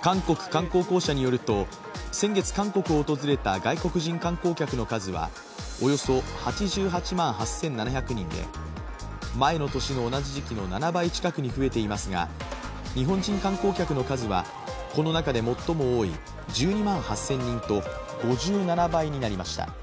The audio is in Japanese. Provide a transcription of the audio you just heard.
韓国観光公社によると先月韓国を訪れた外国人観光客の数はおよそ８８万８７００人で前の年の同じ時期の７倍近くに増えていますが日本人観光客の数はこの中で最も多い１２万８０００人と５７倍になりました。